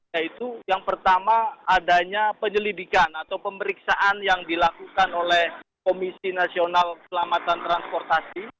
yaitu yang pertama adanya penyelidikan atau pemeriksaan yang dilakukan oleh komisi nasional selamatan transportasi